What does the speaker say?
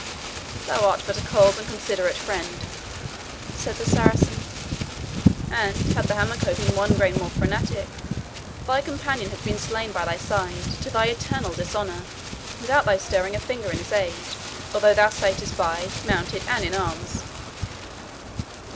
"Thou art but a cold and considerate friend," said the Saracen; "and, had the Hamako been one grain more frantic, thy companion had been slain by thy side, to thy eternal dishonour, without thy stirring a finger in his aid, although thou satest by, mounted, and in arms."